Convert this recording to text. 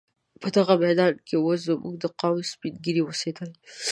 په دغه میدان کې اوس زموږ د قام سپین ږیري اوسېدل.